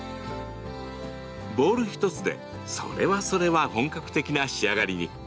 ボウル１つでそれはそれは本格的な仕上がりに。